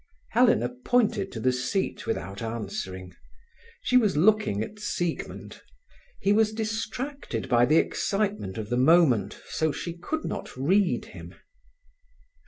Helena pointed to the seat without answering. She was looking at Siegmund. He was distracted by the excitement of the moment, so she could not read him.